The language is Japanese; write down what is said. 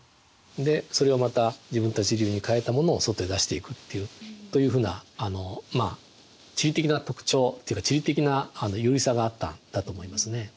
でそれをまた自分たち流に変えたものを外に出していくというふうな地理的な特徴というか地理的な優位さがあったんだと思いますね。